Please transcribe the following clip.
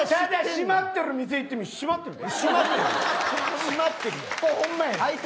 閉まってる店いっても閉まってるで。